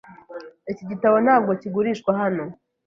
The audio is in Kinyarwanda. Iki gitabo ntabwo kigurishwa hano.